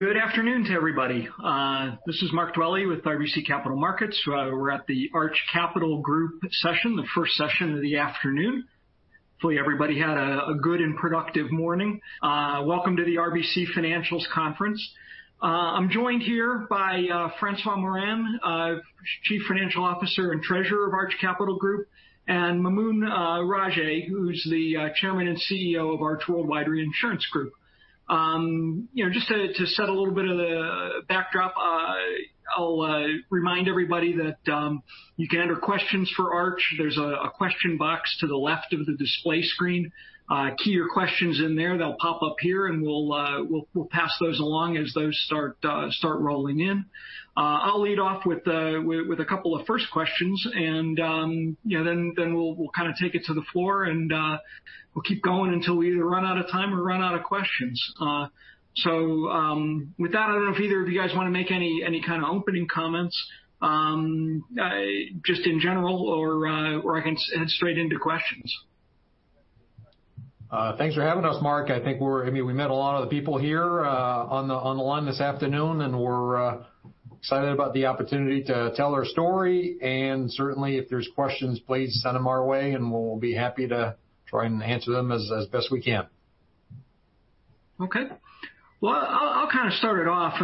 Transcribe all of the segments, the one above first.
Good afternoon to everybody. This is Mark Dwelle with RBC Capital Markets. We're at the Arch Capital Group session, the first session of the afternoon. Hopefully, everybody had a good and productive morning. Welcome to the RBC Financials Conference. I'm joined here by François Morin, Chief Financial Officer and Treasurer of Arch Capital Group, and Maamoun Rajeh, who's the Chairman and CEO of Arch Worldwide Reinsurance Group. Just to set a little bit of the backdrop, I'll remind everybody that you can enter questions for Arch. There's a question box to the left of the display screen. Key your questions in there. They'll pop up here and we'll pass those along as those start rolling in. I'll lead off with a couple of first questions and then we'll take it to the floor and we'll keep going until we either run out of time or run out of questions. With that, I don't know if either of you guys want to make any kind of opening comments just in general or I can head straight into questions. Thanks for having us, Mark. I think we met a lot of the people here on the line this afternoon, and we're excited about the opportunity to tell our story. Certainly, if there's questions, please send them our way and we'll be happy to try and answer them as best we can. Okay. Well, I'll start it off.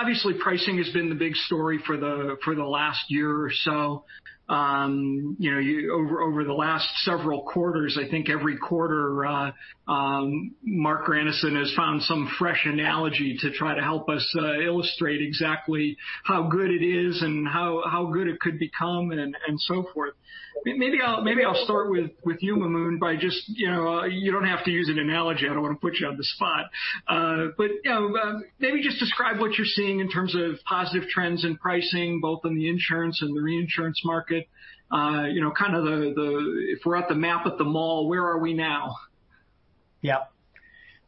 Obviously, pricing has been the big story for the last year or so. Over the last several quarters, I think every quarter Marc Grandisson has found some fresh analogy to try to help us illustrate exactly how good it is and how good it could become and so forth. Maybe I'll start with you, Maamoun, by just You don't have to use an analogy. I don't want to put you on the spot. Maybe just describe what you're seeing in terms of positive trends in pricing, both in the insurance and the reinsurance market. If we're at the map at the mall, where are we now?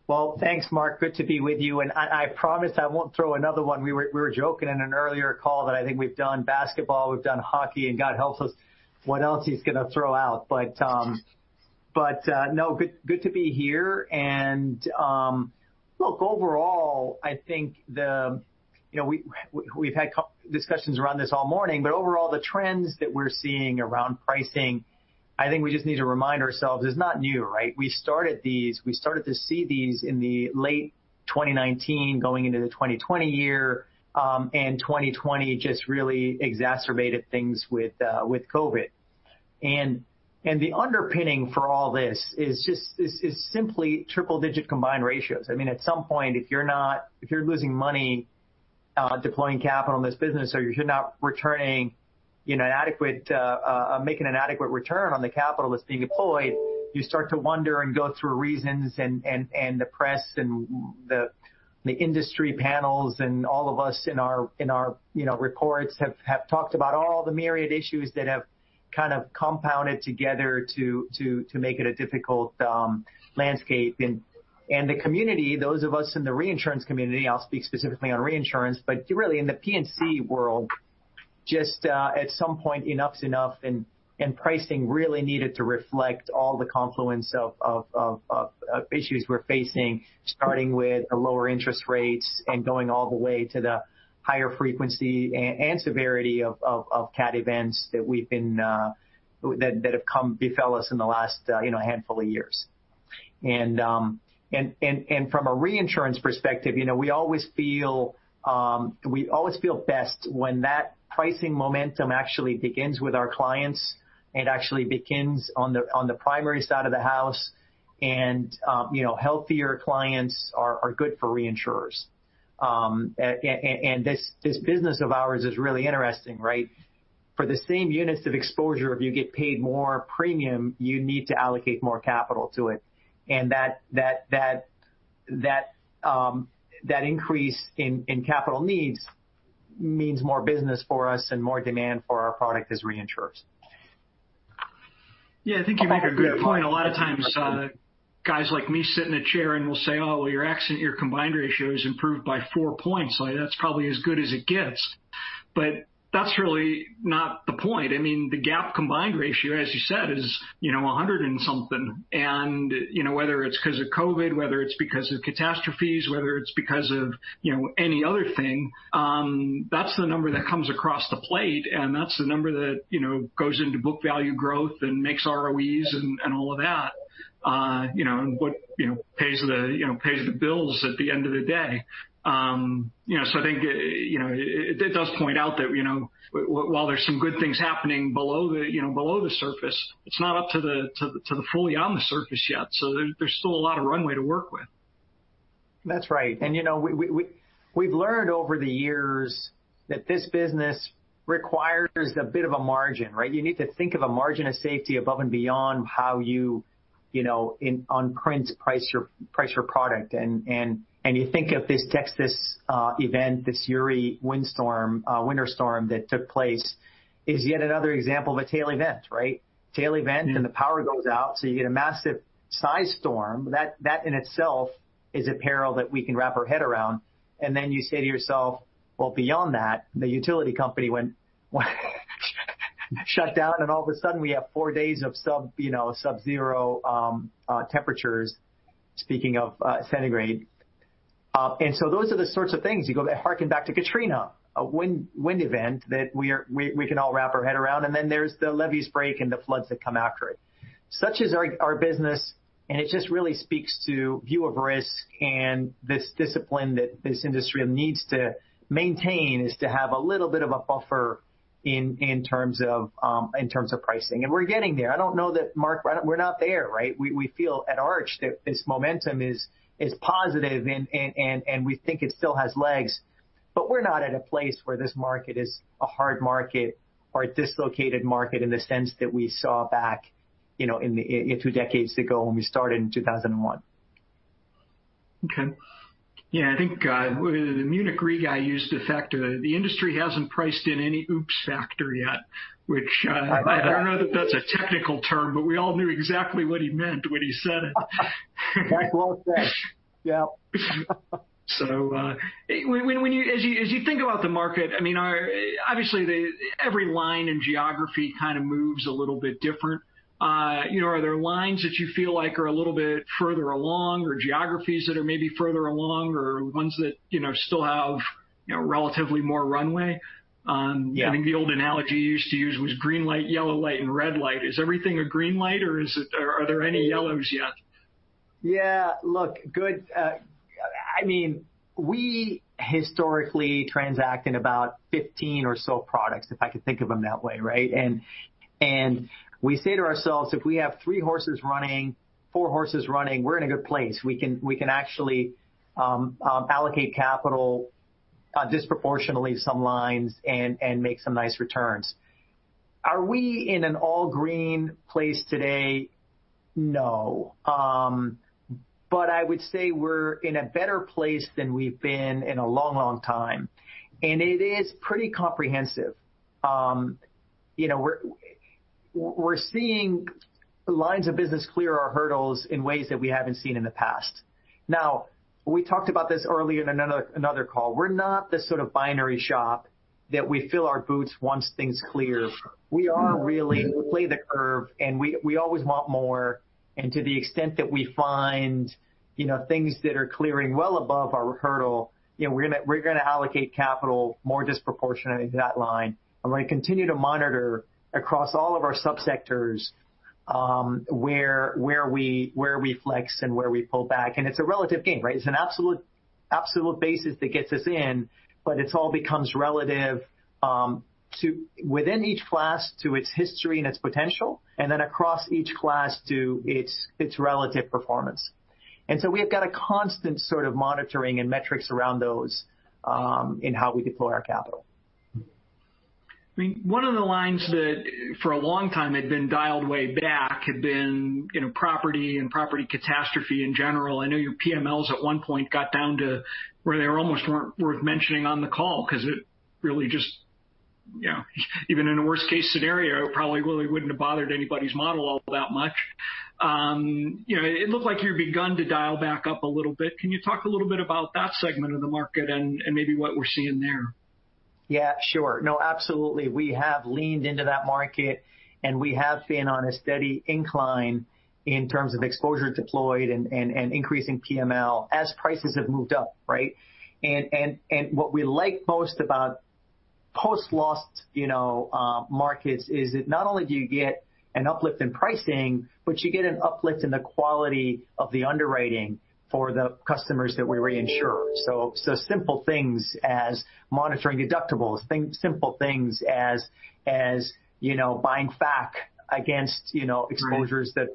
Well, thanks, Mark. I promise I won't throw another one. We were joking in an earlier call that I think we've done basketball, we've done hockey, God helps us, what else he's going to throw out. No, good to be here. Look, we've had discussions around this all morning, but overall, the trends that we're seeing around pricing, I think we just need to remind ourselves it's not new, right? We started to see these in late 2019 going into the 2020 year. 2020 just really exacerbated things with COVID. The underpinning for all this is simply triple-digit combined ratio. At some point, if you're losing money deploying capital in this business or you're not making an adequate return on the capital that's being deployed, you start to wonder and go through reasons. The press and the industry panels and all of us in our reports have talked about all the myriad issues that have compounded together to make it a difficult landscape. The community, those of us in the reinsurance community, I'll speak specifically on reinsurance, but really in the P&C world, just at some point, enough's enough. Pricing really needed to reflect all the confluence of issues we're facing, starting with lower interest rates and going all the way to the higher frequency and severity of CAT events that have befell us in the last handful of years. From a reinsurance perspective, we always feel best when that pricing momentum actually begins with our clients. It actually begins on the primary side of the house. Healthier clients are good for reinsurers. This business of ours is really interesting, right? For the same units of exposure, if you get paid more premium, you need to allocate more capital to it. That increase in capital needs means more business for us and more demand for our product as reinsurers. I think you make a good point. A lot of times guys like me sit in a chair and will say, "Oh, well, your accident, your combined ratio has improved by four points. That's probably as good as it gets." That's really not the point. The gap combined ratio, as you said, is 100 and something. Whether it's because of COVID, whether it's because of catastrophes, whether it's because of any other thing, that's the number that comes across the plate. That's the number that goes into book value growth and makes ROEs and all of that, and what pays the bills at the end of the day. I think it does point out that while there's some good things happening below the surface, it's not up to the fully on the surface yet. There's still a lot of runway to work with. We've learned over the years that this business requires a bit of a margin, right? You need to think of a margin of safety above and beyond how you, on print, price your product. You think of this Texas event, this Winter Storm Uri that took place is yet another example of a tail event, right? Tail event and the power goes out, so you get a massive size storm. That in itself is a peril that we can wrap our head around. Then you say to yourself, well, beyond that, the utility company went shut down and all of a sudden we have four days of subzero temperatures, speaking of centigrade. Those are the sorts of things, you go back, hearken back to Katrina, a wind event that we can all wrap our head around, then there's the levees break and the floods that come after it. Such is our business, and it just really speaks to view of risk and this discipline that this industry needs to maintain, is to have a little bit of a buffer in terms of pricing. We're getting there. I don't know that, Mark, we're not there, right? We feel at Arch that this momentum is positive and we think it still has legs, but we're not at a place where this market is a hard market or a dislocated market in the sense that we saw back two decades ago when we started in 2001. Okay. Yeah, I think the Munich Re guy used the fact the industry hasn't priced in any oops factor yet. I like that I don't know that that's a technical term, but we all knew exactly what he meant when he said it. Nicely well said. Yep. As you think about the market, obviously every line and geography kind of moves a little bit different. Are there lines that you feel like are a little bit further along or geographies that are maybe further along or ones that still have relatively more runway? Yeah. I think the old analogy you used to use was green light, yellow light, and red light. Is everything a green light or are there any yellows yet? Yeah, look good. We historically transact in about 15 or so products, if I could think of them that way, right? We say to ourselves, "If we have three horses running, four horses running, we're in a good place. We can actually allocate capital disproportionately some lines and make some nice returns." Are we in an all-green place today? No. I would say we're in a better place than we've been in a long, long time, and it is pretty comprehensive. We're seeing lines of business clear our hurdles in ways that we haven't seen in the past. We talked about this early in another call. We're not the sort of binary shop that we fill our boots once things clear. We are really play the curve and we always want more, to the extent that we find things that are clearing well above our hurdle, we're going to allocate capital more disproportionate into that line and we're going to continue to monitor across all of our sub-sectors where we flex and where we pull back. It's a relative game, right? It's an absolute basis that gets us in, but it all becomes relative within each class to its history and its potential, and then across each class to its relative performance. We have got a constant sort of monitoring and metrics around those in how we deploy our capital. One of the lines that for a long time had been dialed way back had been property and property catastrophe in general. I know your PMLs at one point got down to where they almost weren't worth mentioning on the call because it really just, even in a worst-case scenario, it probably really wouldn't have bothered anybody's model all that much. It looked like you've begun to dial back up a little bit. Can you talk a little bit about that segment of the market and maybe what we're seeing there? Yeah, sure. Absolutely, we have leaned into that market, we have been on a steady incline in terms of exposure deployed and increasing PML as prices have moved up, right? What we like most about post-loss markets is that not only do you get an uplift in pricing, but you get an uplift in the quality of the underwriting for the customers that we reinsure. Simple things as monitoring deductibles, simple things as buying back against exposures that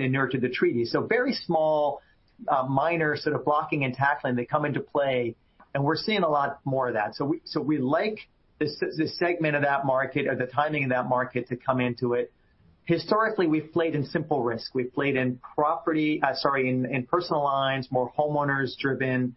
inure to the treaty. Very small, minor sort of blocking and tackling that come into play, and we're seeing a lot more of that. We like the segment of that market or the timing of that market to come into it. Historically, we've played in simple risk. We've played in personal lines, more homeowners-driven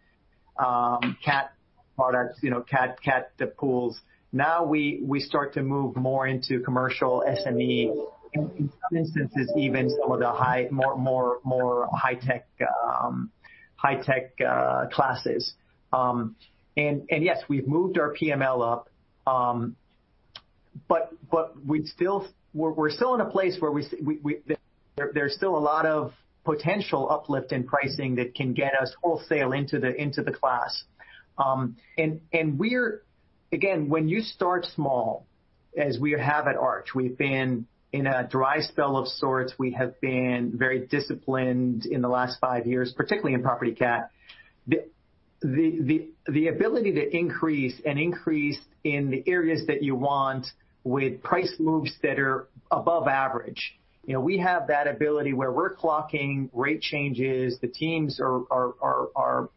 CAT products, CAT pools. Now we start to move more into commercial SME, in some instances even some of the more high-tech classes. Yes, we've moved our PML up, but we're still in a place where there's still a lot of potential uplift in pricing that can get us wholesale into the class. When you start small, as we have at Arch, we've been in a dry spell of sorts. We have been very disciplined in the last five years, particularly in property CAT. The ability to increase and increase in the areas that you want with price moves that are above average. We have that ability where we're clocking rate changes, the teams are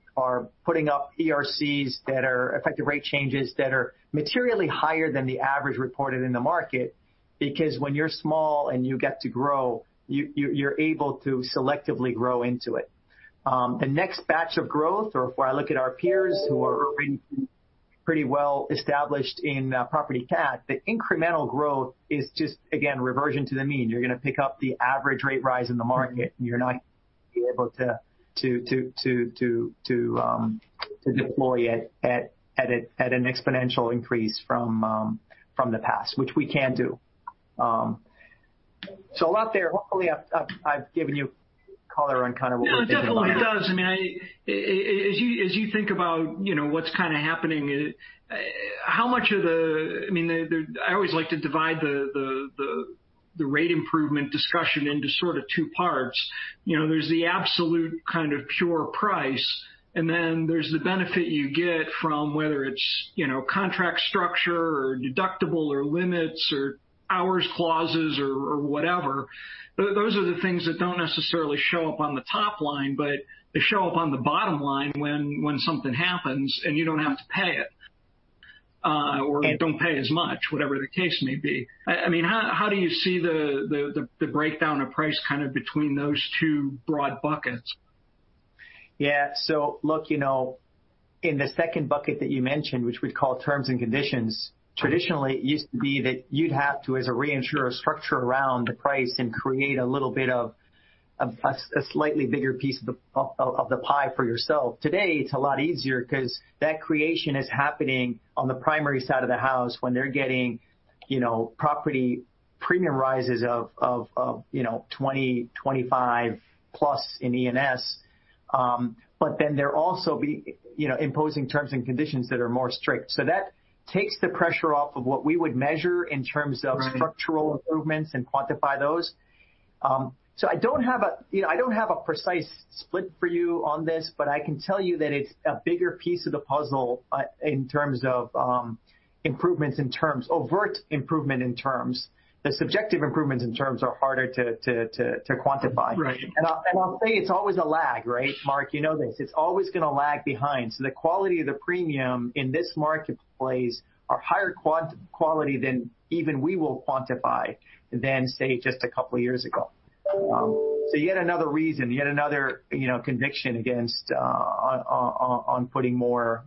putting up ERCs, effective rate changes, that are materially higher than the average reported in the market. When you're small and you get to grow, you're able to selectively grow into it. The next batch of growth, or if I look at our peers who are already pretty well established in property CAT, the incremental growth is just, again, reversion to the mean. You're going to pick up the average rate rise in the market, and you're not able to deploy it at an exponential increase from the past, which we can do. A lot there. Hopefully, I've given you color on kind of what we're thinking about. Yeah, it definitely does. As you think about what's happening, I always like to divide the rate improvement discussion into two parts. There's the absolute pure price, and then there's the benefit you get from whether it's contract structure or deductible or limits or hours clauses or whatever. Those are the things that don't necessarily show up on the top line, but they show up on the bottom line when something happens and you don't have to pay it, or you don't pay as much, whatever the case may be. How do you see the breakdown of price between those two broad buckets? Yeah. Look, in the second bucket that you mentioned, which we'd call terms and conditions, traditionally, it used to be that you'd have to, as a reinsurer, structure around the price and create a slightly bigger piece of the pie for yourself. Today, it's a lot easier because that creation is happening on the primary side of the house when they're getting property premium rises of 20%, 25% plus in E&S. They're also imposing terms and conditions that are more strict. That takes the pressure off of what we would measure in terms of structural improvements and quantify those. I don't have a precise split for you on this, but I can tell you that it's a bigger piece of the puzzle in terms of overt improvement in terms. The subjective improvements in terms are harder to quantify. Right. I'll say it's always a lag, right? Mark, you know this. It's always going to lag behind. The quality of the premium in this marketplace are higher quality than even we will quantify than, say, just a couple of years ago. Yet another reason, yet another conviction against on putting more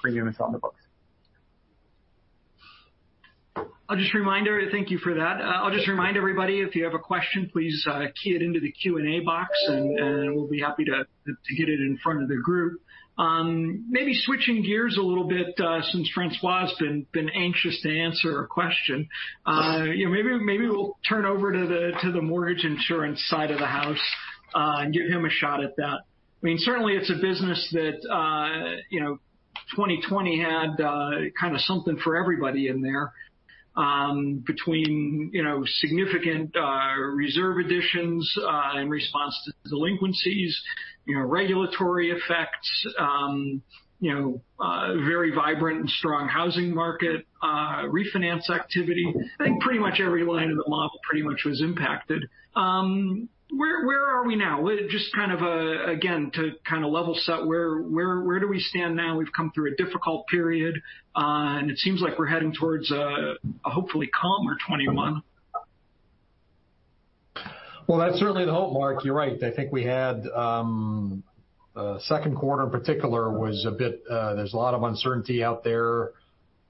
premiums on the books. Thank you for that. I'll just remind everybody, if you have a question, please key it into the Q&A box. We'll be happy to get it in front of the group. Maybe switching gears a little bit, since François' been anxious to answer a question. Maybe we'll turn over to the mortgage insurance side of the house and give him a shot at that. Certainly, it's a business that 2020 had something for everybody in there, between significant reserve additions in response to delinquencies, regulatory effects, very vibrant and strong housing market, refinance activity. I think pretty much every line of the model pretty much was impacted. Where are we now? Just, again, to level set, where do we stand now? We've come through a difficult period. It seems like we're heading towards a hopefully calmer 2021. That's certainly the hope, Mark. You're right. I think we had second quarter in particular, there's a lot of uncertainty out there.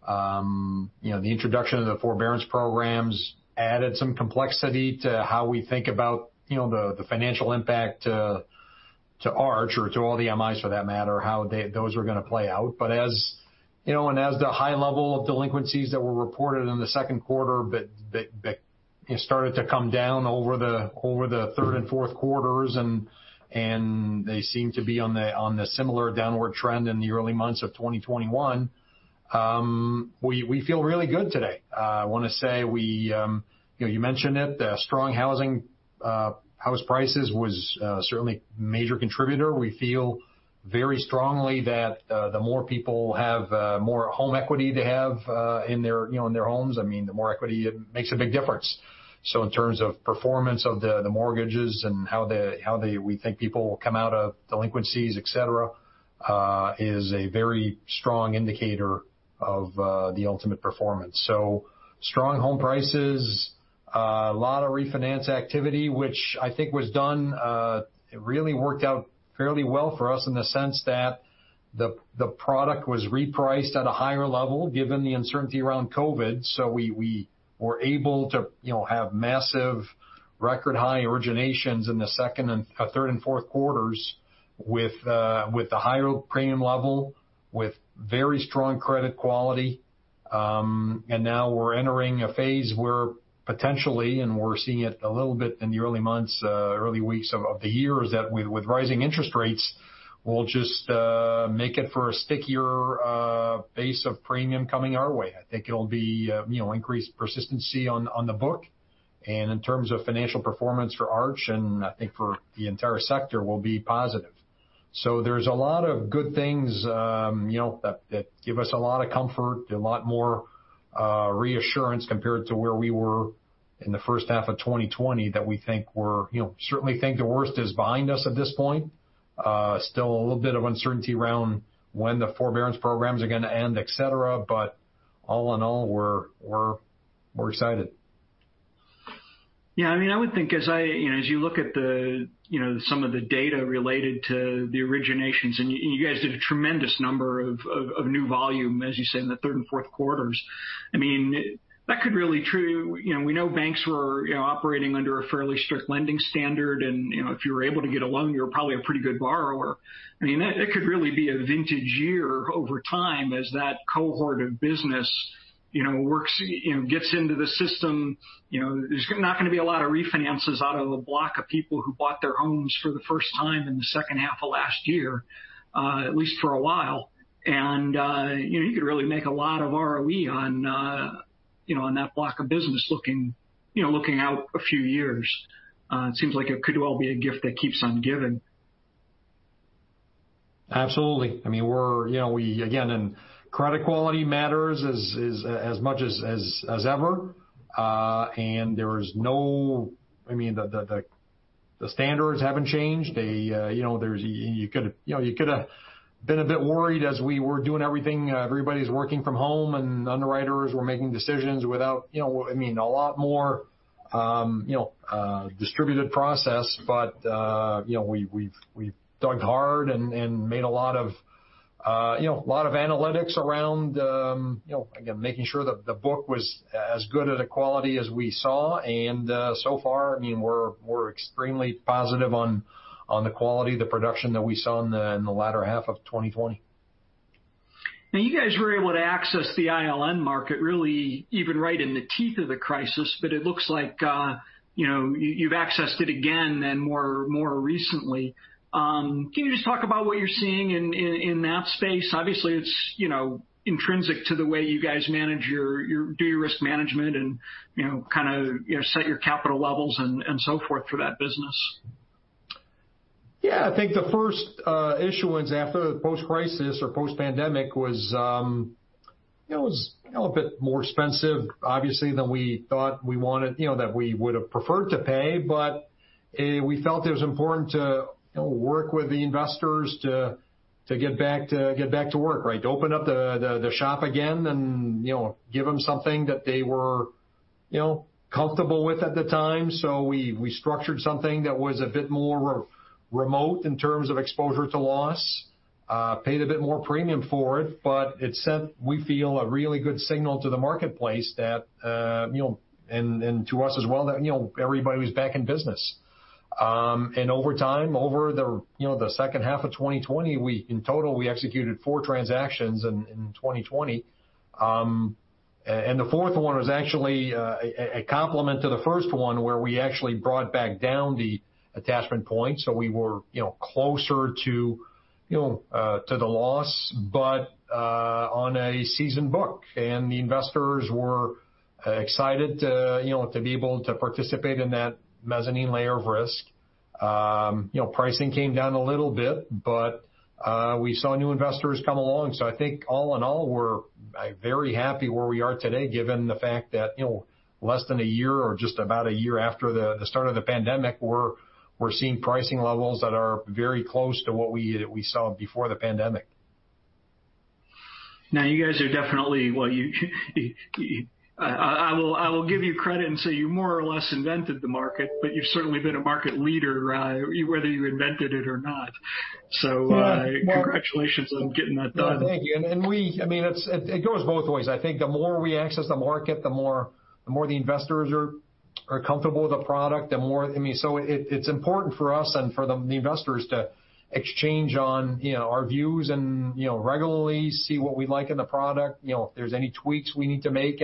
The introduction of the forbearance programs added some complexity to how we think about the financial impact to Arch or to all the MIs for that matter, how those were going to play out. As the high level of delinquencies that were reported in the second quarter started to come down over the third and fourth quarters, they seem to be on the similar downward trend in the early months of 2021, we feel really good today. I want to say, you mentioned it, the strong house prices was certainly a major contributor. We feel very strongly that the more people have more home equity they have in their homes, the more equity, it makes a big difference. In terms of performance of the mortgages and how we think people will come out of delinquencies, et cetera, is a very strong indicator of the ultimate performance. Strong home prices, a lot of refinance activity, which I think was done, it really worked out fairly well for us in the sense that the product was repriced at a higher level given the uncertainty around COVID. We were able to have massive record high originations in the second and third and fourth quarters with the higher premium level, with very strong credit quality. Now we're entering a phase where potentially, and we're seeing it a little bit in the early months, early weeks of the year, is that with rising interest rates, will just make it for a stickier base of premium coming our way. I think it'll be increased persistency on the book. In terms of financial performance for Arch, and I think for the entire sector, will be positive. There's a lot of good things that give us a lot of comfort, a lot more reassurance compared to where we were in the first half of 2020 that we certainly think the worst is behind us at this point. Still a little bit of uncertainty around when the forbearance programs are going to end, et cetera. All in all, we're excited. I would think as you look at some of the data related to the originations, and you guys did a tremendous number of new volume, as you said, in the third and fourth quarters. That could really be true. We know banks were operating under a fairly strict lending standard, and if you were able to get a loan, you're probably a pretty good borrower. It could really be a vintage year over time as that cohort of business gets into the system. There's not going to be a lot of refinances out of a block of people who bought their homes for the first time in the second half of last year, at least for a while. You could really make a lot of ROE on that block of business looking out a few years. It seems like it could well be a gift that keeps on giving. Absolutely. Again, credit quality matters as much as ever. The standards haven't changed. You could've been a bit worried as we were doing everything. Everybody's working from home, and underwriters were making decisions without a lot more distributed process. We've dug hard and made a lot of analytics around, again, making sure that the book was as good at a quality as we saw. So far, we're extremely positive on the quality of the production that we saw in the latter half of 2020. You guys were able to access the ILN market, really even right in the teeth of the crisis, but it looks like you've accessed it again then more recently. Can you just talk about what you're seeing in that space? Obviously, it's intrinsic to the way you guys do your risk management and kind of set your capital levels and so forth for that business. Yeah, I think the first issuance after the post-crisis or post-pandemic was a bit more expensive, obviously, than we thought we wanted, that we would've preferred to pay. We felt it was important to work with the investors to get back to work, right? To open up the shop again and give them something that they were comfortable with at the time. We structured something that was a bit more remote in terms of exposure to loss. Paid a bit more premium for it, but it sent, we feel, a really good signal to the marketplace that, and to us as well, that everybody was back in business. Over time, over the second half of 2020, in total, we executed four transactions in 2020. The fourth one was actually a complement to the first one where we actually brought back down the attachment point. We were closer to the loss, but on a seasoned book. The investors were excited to be able to participate in that mezzanine layer of risk. Pricing came down a little bit, but we saw new investors come along. I think all in all, we're very happy where we are today, given the fact that less than a year or just about a year after the start of the pandemic, we're seeing pricing levels that are very close to what we saw before the pandemic. Now, you guys are definitely, well I will give you credit and say you more or less invented the market, but you've certainly been a market leader, whether you invented it or not. Congratulations on getting that done. No, thank you. It goes both ways. I think the more we access the market, the more the investors are comfortable with the product. It's important for us and for the investors to exchange on our views and regularly see what we like in the product, if there's any tweaks we need to make.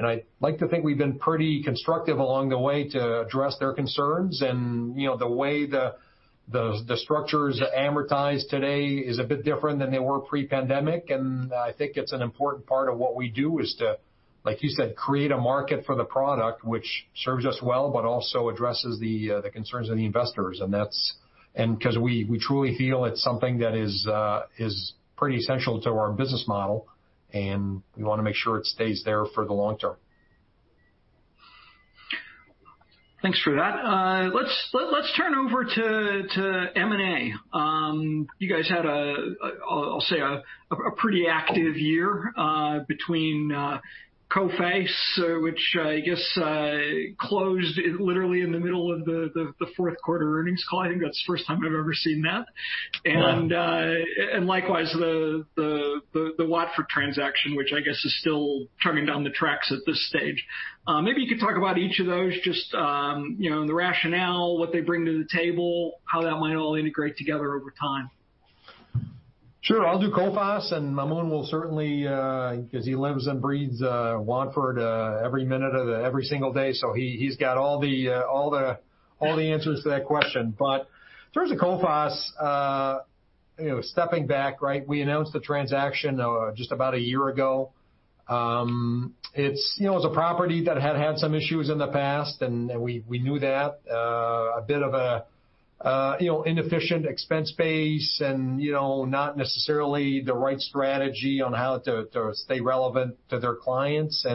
I'd like to think we've been pretty constructive along the way to address their concerns. The way the structures amortize today is a bit different than they were pre-pandemic. I think it's an important part of what we do is to, like you said, create a market for the product, which serves us well, but also addresses the concerns of the investors. We truly feel it's something that is pretty essential to our business model, and we want to make sure it stays there for the long term. Thanks for that. Let's turn over to M&A. You guys had a, I'll say, a pretty active year between Coface, which I guess closed literally in the middle of the fourth quarter earnings call. I think that's the first time I've ever seen that. Wow. Likewise the Watford transaction, which I guess is still chugging down the tracks at this stage. Maybe you could talk about each of those, just the rationale, what they bring to the table, how that might all integrate together over time. Sure. I'll do Coface, and Maamoun will certainly, because he lives and breathes Watford every minute of the every single day, so he's got all the answers to that question. In terms of Coface, stepping back, we announced the transaction just about a year ago. It was a property that had had some issues in the past, and we knew that. A bit of a inefficient expense base and not necessarily the right strategy on how to stay relevant to their clients.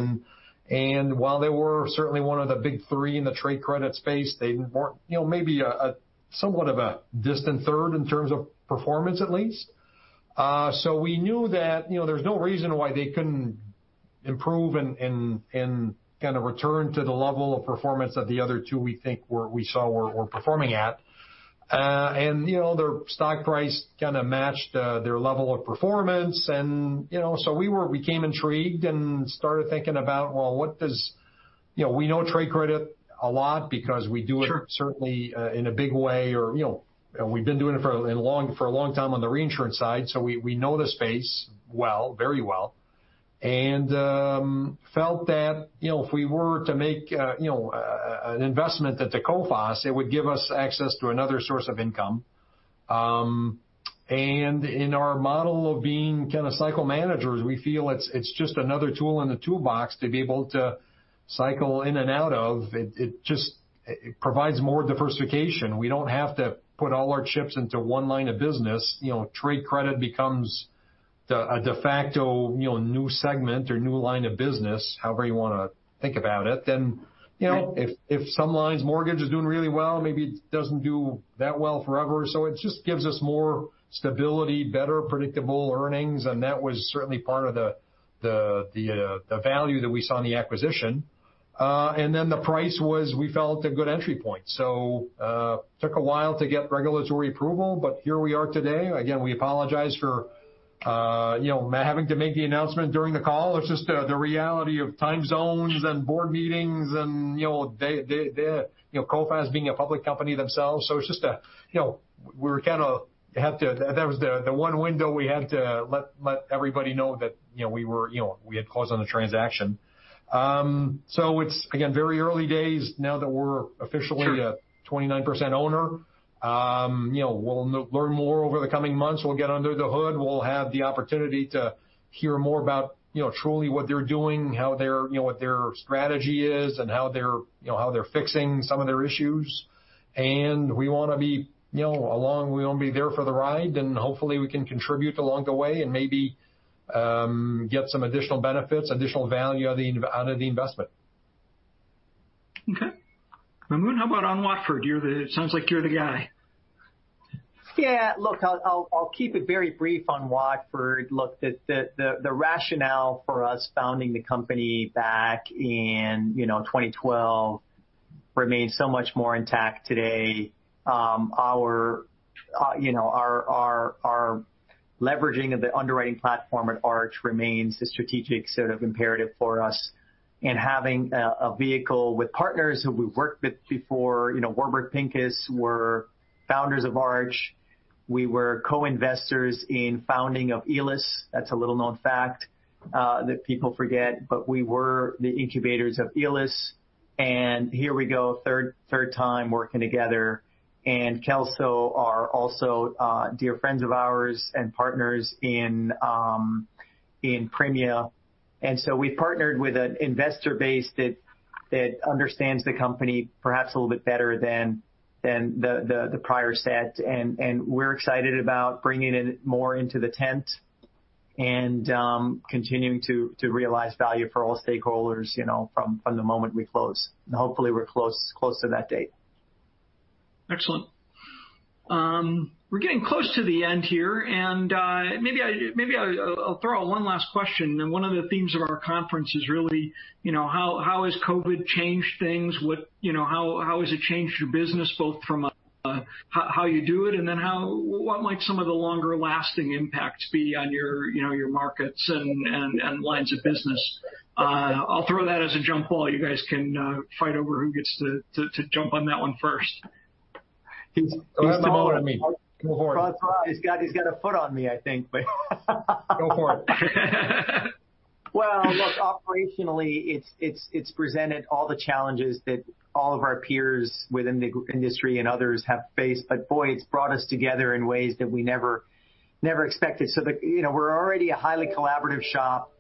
While they were certainly one of the big three in the trade credit space, they were maybe somewhat of a distant third in terms of performance, at least. We knew that there's no reason why they couldn't improve and kind of return to the level of performance that the other two we think we saw were performing at. Their stock price kind of matched their level of performance and so we became intrigued and started thinking about, we know trade credit a lot because we do it- Sure certainly in a big way, and we've been doing it for a long time on the reinsurance side, so we know the space well, very well, and felt that if we were to make an investment into Coface, it would give us access to another source of income. In our model of being kind of cycle managers, we feel it's just another tool in the toolbox to be able to cycle in and out of. It provides more diversification. We don't have to put all our chips into one line of business. trade credit becomes a de facto new segment or new line of business, however you want to think about it. Sure if some lines mortgage is doing really well, maybe it doesn't do that well forever. It just gives us more stability, better predictable earnings, and that was certainly part of the value that we saw in the acquisition. The price was, we felt, a good entry point. It took a while to get regulatory approval, but here we are today. Again, we apologize for having to make the announcement during the call. It's just the reality of time zones and board meetings and Coface being a public company themselves. That was the one window we had to let everybody know that we had closed on the transaction. It's, again, very early days now that we're Sure a 29% owner. We'll learn more over the coming months. We'll get under the hood. We'll have the opportunity to hear more about truly what they're doing, what their strategy is, and how they're fixing some of their issues. We want to be along, we want to be there for the ride, and hopefully we can contribute along the way and maybe get some additional benefits, additional value out of the investment. Okay. Maamoun, how about on Watford? It sounds like you're the guy. Yeah. Look, I'll keep it very brief on Watford. Look, the rationale for us founding the company back in 2012 remains so much more intact today. Our leveraging of the underwriting platform at Arch remains a strategic sort of imperative for us. Having a vehicle with partners who we've worked with before, Warburg Pincus were founders of Arch. We were co-investors in founding of Elis. That's a little-known fact that people forget, but we were the incubators of Elis, and here we go, third time working together. Kelso are also dear friends of ours and partners in Premia. So we've partnered with an investor base that understands the company perhaps a little bit better than the prior set, and we're excited about bringing in more into the tent and continuing to realize value for all stakeholders from the moment we close, and hopefully we're close to that date. Excellent. We're getting close to the end here, and maybe I'll throw out one last question. One of the themes of our conference is really how has COVID changed things? How has it changed your business, both from how you do it, and then what might some of the longer lasting impacts be on your markets and lines of business? I'll throw that as a jump ball. You guys can fight over who gets to jump on that one first. Go for it, Maamoun. Go for it. François, he's got a foot on me, I think. Go for it. Look, operationally, it's presented all the challenges that all of our peers within the industry and others have faced. Boy, it's brought us together in ways that we never expected. We're already a highly collaborative shop.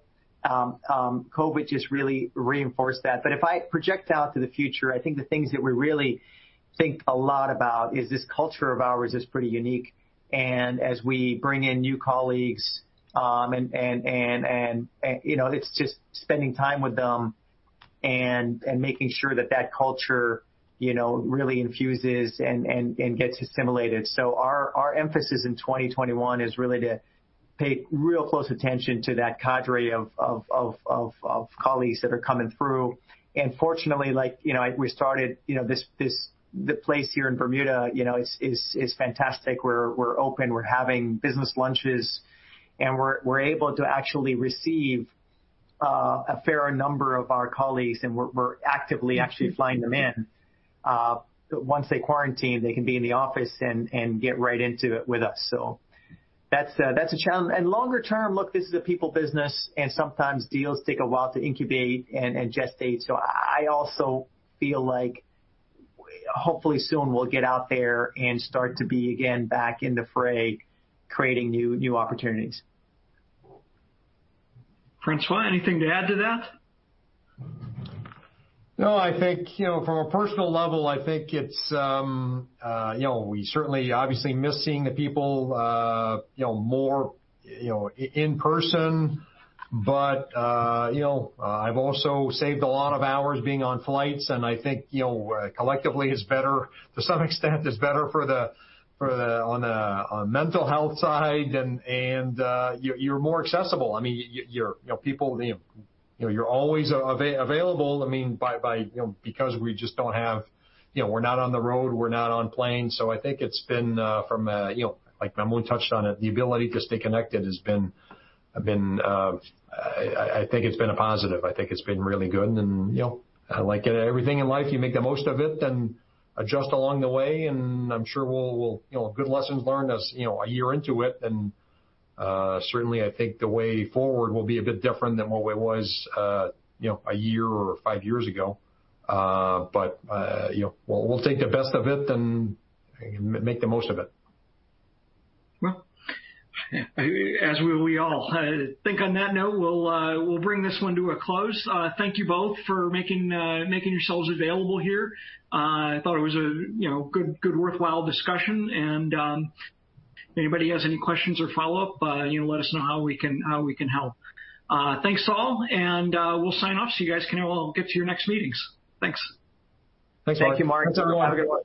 COVID just really reinforced that. If I project out to the future, I think the things that we really think a lot about is this culture of ours is pretty unique, and as we bring in new colleagues, it's just spending time with them and making sure that culture really infuses and gets assimilated. Our emphasis in 2021 is really to pay real close attention to that cadre of colleagues that are coming through. Fortunately, the place here in Bermuda is fantastic. We're open, we're having business lunches, and we're able to actually receive a fair number of our colleagues, and we're actively actually flying them in. Once they quarantine, they can be in the office and get right into it with us. That's a challenge. Longer term, look, this is a people business and sometimes deals take a while to incubate and gestate, so I also feel like hopefully soon we'll get out there and start to be again back in the fray, creating new opportunities. François, anything to add to that? No, from a personal level, I think we certainly obviously miss seeing the people more in person. I've also saved a lot of hours being on flights, and I think collectively, to some extent, it's better on the mental health side, and you're more accessible. You're always available because we're not on the road, we're not on planes. I think it's been, like Maamoun touched on it, the ability to stay connected, I think it's been a positive. I think it's been really good, and like everything in life, you make the most of it and adjust along the way, and I'm sure we'll have good lessons learned as a year into it. Certainly, I think the way forward will be a bit different than what it was a year or five years ago. We'll take the best of it and make the most of it. Well, as will we all. I think on that note, we'll bring this one to a close. Thank you both for making yourselves available here. I thought it was a good worthwhile discussion. If anybody has any questions or follow-up, let us know how we can help. Thanks all, and we'll sign off so you guys can get to your next meetings. Thanks. Thanks, Mark. Thank you, Mark. Have a good one.